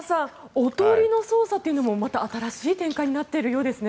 おとりの捜査というのもまた新しい展開になっているようですね。